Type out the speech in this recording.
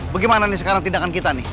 bagaimana nih sekarang tindakan kita nih